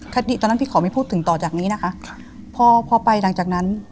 ตอนนั้นพี่ขอไม่พูดถึงต่อจากนี้นะคะพอพอไปหลังจากนั้น